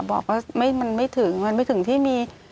บอกว่ามันไม่ถึงมันไม่ถึงที่มี